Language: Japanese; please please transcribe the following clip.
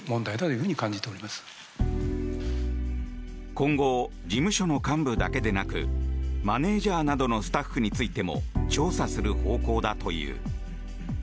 今後、事務所の幹部だけでなくマネジャーなどのスタッフについても調査する方向だという。